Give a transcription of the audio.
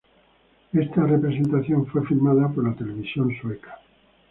Esta representación fue filmada por la Televisión Sueca.